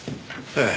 ええ。